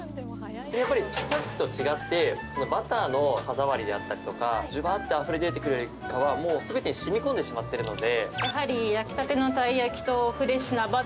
やっぱり、さっきと違ってバターの歯触りであったりとかジュワーッとあふれ出てくるというよりかは全て染み込んでしまっているので。